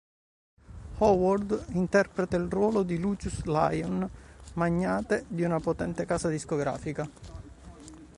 Howard interpreta il ruolo di Lucious Lyon, magnate di una potente casa discografica.